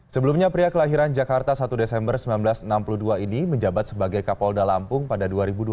sebelumnya pria kelahiran jakarta satu desember seribu sembilan ratus enam puluh dua ini menjabat sebagai kapolda lampung pada dua ribu dua belas